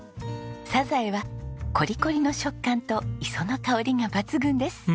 サザエはコリコリの食感と磯の香りが抜群です。